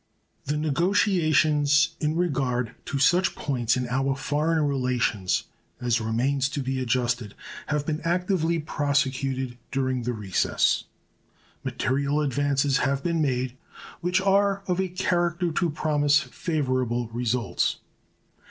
The negotiations in regard to such points in our foreign relations as remain to be adjusted have been actively prosecuted during the recess. Material advances have been made, which are of a character to promise favorable results.